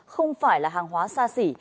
không phải là hàng hóa xa xỉ